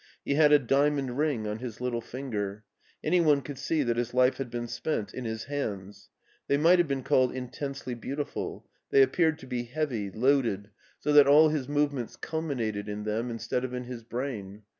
He had a diamond ring on his little fin ger. Any one could see that his life had been spent in his hands. They might have been called intensely beautiful; they appeared to be heavy, loaded, so that BERLIN 175 all his movements culminated in them instead of in his brain.